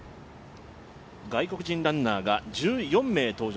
外国人ランナーが１４名登場。